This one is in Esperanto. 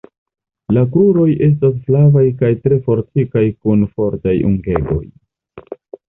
La kruroj estas flavaj kaj tre fortikaj kun fortaj ungegoj.